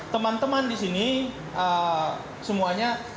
teman teman di sini semuanya